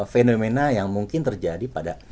fenomena yang mungkin terjadi pada